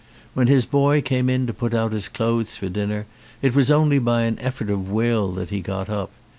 When his boy came in to put out his clothes for dinner it was only by an effort of will that he got up.